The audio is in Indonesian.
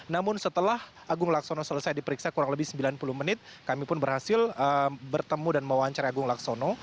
namun setelah agung laksono selesai diperiksa kurang lebih sembilan puluh menit kami pun berhasil bertemu dan mewawancar agung laksono